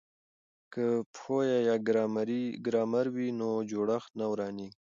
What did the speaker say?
که پښویه یا ګرامر وي نو جوړښت نه ورانیږي.